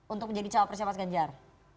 untuk menjadi cowok persia mas ganjar